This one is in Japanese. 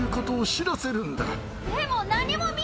でも。